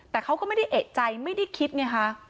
แต่เขาก็ไม่ได้เอกใจไม่ได้คิดไงคะ